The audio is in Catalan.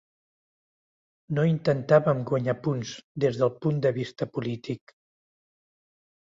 No intentàvem guanyar punts des del punt de vista polític.